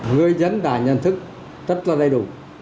người dân đã nhận thức rất là đầy đủ